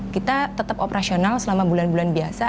kita tetap operasional selama bulan bulan biasa